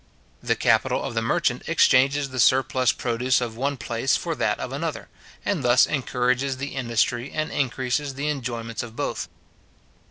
The capital of the merchant exchanges the surplus produce of one place for that of another, and thus encourages the industry, and increases the enjoyments of both.